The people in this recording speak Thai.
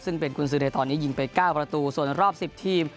ซึ่งเป็นกุญสือในตอนนี้ยิงไป๙ประตูส่วนรอบ๑๐ทีม